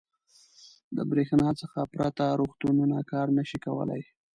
• د برېښنا څخه پرته روغتونونه کار نه شي کولی.